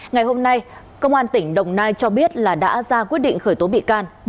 ngày hôm nay công an tỉnh đồng nai cho biết là đã ra quyết định khởi tố bị can